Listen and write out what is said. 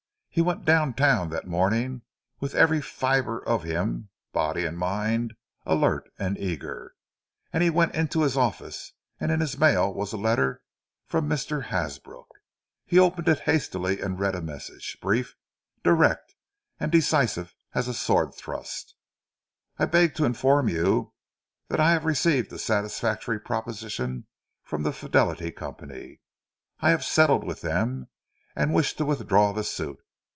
He went down town that morning with every fibre of him, body and mind, alert and eager; and he went into his office, and in his mail was a letter from Mr. Hasbrook. He opened it hastily and read a message, brief and direct and decisive as a sword thrust: "I beg to inform you that I have received a satisfactory proposition from the Fidelity Company. I have settled with them, and wish to withdraw the suit.